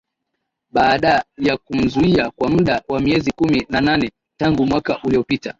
baadaa ya kumzuia kwa muda wa miezi kumi na nane tangu mwaka uliopita